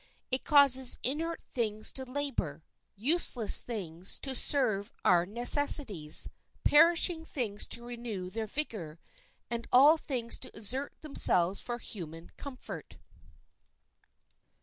It causes inert things to labor, useless things to serve our necessities, perishing things to renew their vigor, and all things to exert themselves for human comfort.